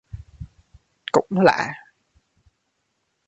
Cũng lạ